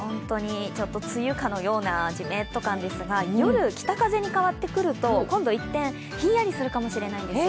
ちょっと梅雨かのようなじめっと感ですが、夜、北風に変わってくると今度、一転ひんやりするかもしれないんですよ